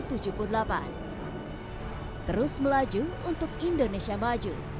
terus melaju untuk indonesia maju